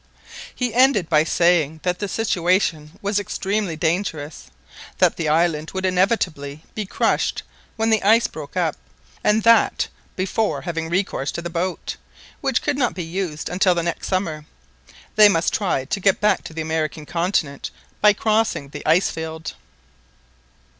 He ended by saying that the situation was extremely dangerous, that the island would inevitably be crushed when the ice broke up, and that, before having recourse to the boat—which could not be used until the next summer—they must try to get back to the American continent by crossing the ice field.